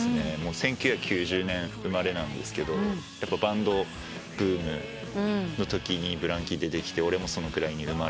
１９９０年生まれなんですけどバンドブームのときにＢＬＡＮＫＥＹ出てきて俺もそのくらいに生まれて。